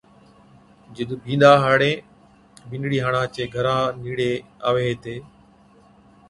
جِڏَ بِينڏا ھاڙي بِينڏڙِي ھاڙان چين گھر نيڙي آوي ھِتي